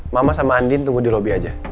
mama sama andin tunggu di lobby aja